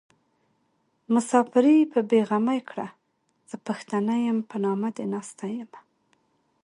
مساپري په بې غمي کړه زه پښتنه يم په نامه دې ناسته يمه